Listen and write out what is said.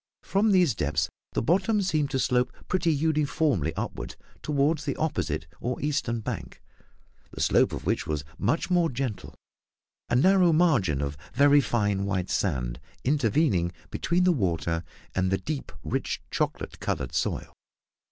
From these depths the bottom seemed to slope pretty uniformly upward towards the opposite or eastern bank, the slope of which was much more gentle, a narrow margin of very fine white sand intervening between the water and the deep, rich, chocolate coloured soil.